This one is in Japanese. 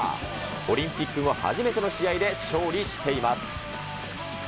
オリンピック後、初めての試合で勝利しています。